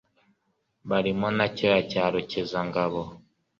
barimo na cyoya cya rukiza ngabo